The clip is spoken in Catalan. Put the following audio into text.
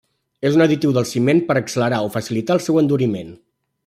És un additiu del ciment per accelerar o facilitar el seu enduriment.